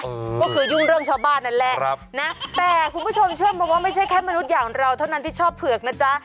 ก็คือยุ่งเรื่องชาวบ้านนั่นแหละครับนะแต่คุณผู้ชมเชื่อมาว่าไม่ใช่แค่มนุษย์อย่างเราเท่านั้นที่ชอบเผือกนะจ๊ะ